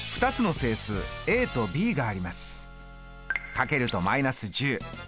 かけると−１０。